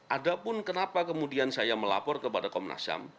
ada pun kenapa kemudian saya melapor kepada komnasiam